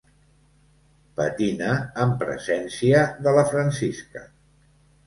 Patina en presència de la Francisca.